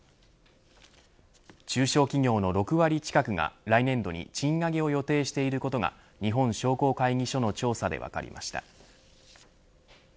中小企業の６割近くが来年度に賃上げを予定していることが日本商工会議所の調査で分かりました。